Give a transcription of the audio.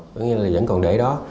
có nghĩa là vẫn còn để đó